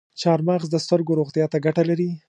چارمغز د سترګو روغتیا ته ګټه لري.